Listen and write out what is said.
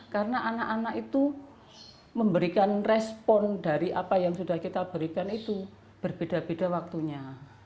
karena anak anak itu memberikan respon dari apa yang sudah kita berikan itu berbeda beda waktunya